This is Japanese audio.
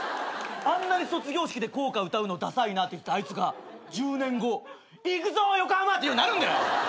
あんなに「卒業式で校歌歌うのダサいな」って言ってたあいつが１０年後「いくぞ横浜」って言うようになるんだよ。